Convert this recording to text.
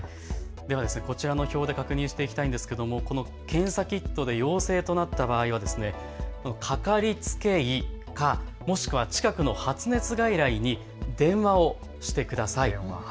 では、こちらの表で確認していきたいんですけれども、この検査キットで陽性になった場合は、かかりつけ医かもしくは近くの発熱外来に電話をしてください。